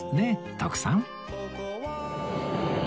徳さん